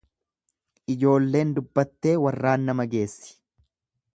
Ijoolleen dubbattee warraan nama geessi.